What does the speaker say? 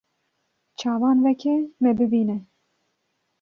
Çavan veke me bibîne